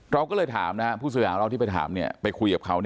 เราก็เลยถามนะผู้เสื้อหาเราที่ไปถามไปคุยกับเขา